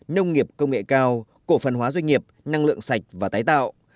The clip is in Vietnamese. nông nghiệp công nghệ cao cổ phần hóa doanh nghiệp năng lượng sạch và tái tạo